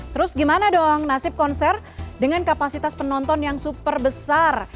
terus gimana dong nasib konser dengan kapasitas penonton yang super besar